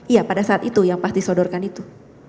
iya pada saat itu yang pas disodorkan itu